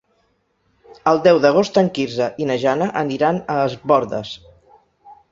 El deu d'agost en Quirze i na Jana aniran a Es Bòrdes.